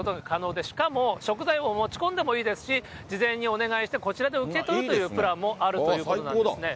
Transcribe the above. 可能で、しかも食材も持ち込んでもいいですし、事前にお願いして、こちらで受け取るというプランもあるということなんですね。